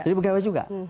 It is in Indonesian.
dari pegawai juga